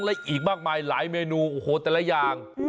และอีกมากมายหลายเมนูโอ้โหแต่ละอย่าง